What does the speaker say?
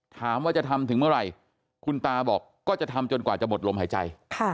ถามว่าจะทำถึงเมื่อไหร่คุณตาบอกก็จะทำจนกว่าจะหมดลมหายใจ